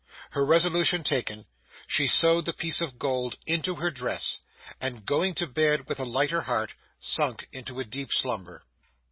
Her resolution taken, she sewed the piece of gold into her dress, and going to bed with a lighter heart sunk into a deep slumber.